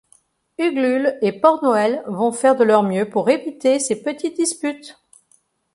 Uglule et Porc Noël vont faire de leur mieux pour éviter ses petites disputes.